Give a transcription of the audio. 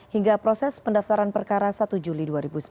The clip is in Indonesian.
hingga proses pendaftaran perkara satu juli dua ribu sembilan belas